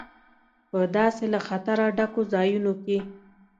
په داسې له خطره ډکو ځایونو کې.